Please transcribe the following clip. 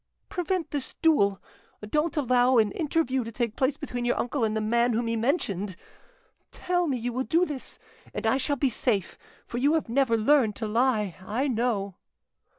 "Prevent this duel; don't allow an interview to take place between your uncle and the man whom he mentioned. Tell me you will do this, and I shall be safe; for you have never learned to lie; I know."